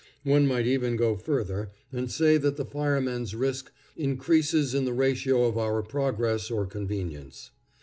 One might even go further, and say that the fireman's risk increases in the ratio of our progress or convenience.